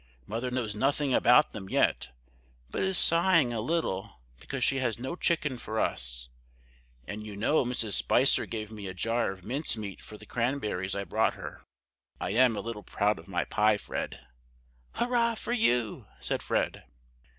"Mother knows nothing about them yet, but is sighing a little because she has no chicken for us. And you know Mrs. Spicer gave me a jar of mince meat for the cranberries I brought her. I am a little proud of my pie, Fred!" "Hurrah for you!" said Fred.